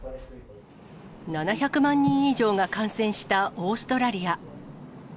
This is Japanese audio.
７００万人以上が感染したオーストラリア。